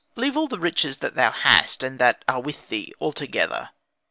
"Leave all the riches that thou hast, and that are with thee, altogether.